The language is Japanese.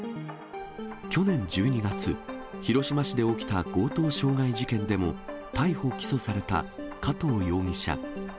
去年１２月、広島市で起きた強盗傷害事件でも逮捕・起訴された加藤容疑者。